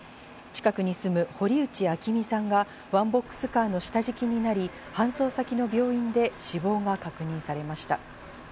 近くに住む堀内玲美さんがワンボックスカーの下敷きになり搬送先の病院で死亡が確認されました。